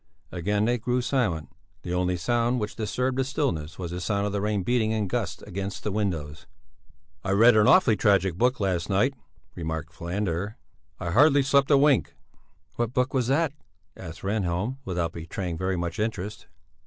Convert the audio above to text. Again they grew silent. The only sound which disturbed the stillness was the sound of the rain beating in gusts against the windows. "I read an awfully tragic book last night," presently remarked Falander. "I hardly slept a wink." "What book was that?" asked Rehnhjelm, without betraying very much interest.